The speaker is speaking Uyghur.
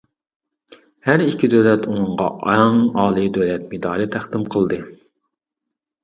ھەر ئىككى دۆلەت ئۇنىڭغا ئەڭ ئالىي دۆلەت مېدالى تەقدىم قىلدى.